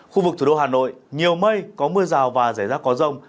khu vực thủ đô hà nội nhiều mây có mưa rào và rải rác có rông